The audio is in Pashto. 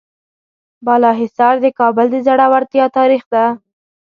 بالاحصار د کابل د زړورتیا تاریخ ده.